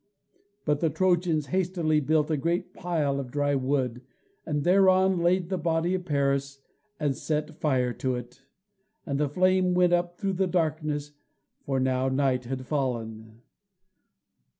But the Trojans hastily built a great pile of dry wood, and thereon laid the body of Paris and set fire to it, and the flame went up through the darkness, for now night had fallen.